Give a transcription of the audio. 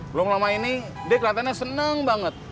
belum lama ini dek latarnya seneng banget